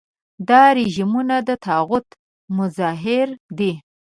دا رژیمونه د طاغوت مظاهر دي.